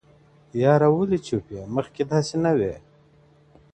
ه یاره ولي چوپ یې مخکي داسي نه وې؟